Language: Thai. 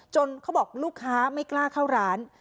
เขาบอกลูกค้าไม่กล้าเข้าร้าน